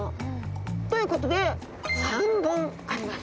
ということで３本あります。